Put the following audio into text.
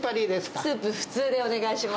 スープ普通でお願いします。